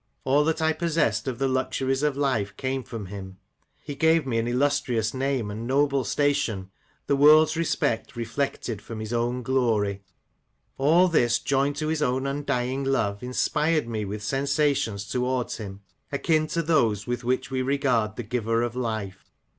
All that I possessed of the luxuries of life came from him. He gave me an illustrious name and noble station ; the world's respect reflected from his own glory : all [tjhis joined to his own undying love, inspired me with sensations F 26 SHELLEY, " PETERLOO," AND towards him, akin to those with which we regard the Giver of life.